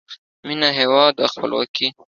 مینه، هیواد او خپلواکۍ